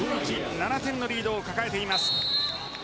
７点のリードを抱えています。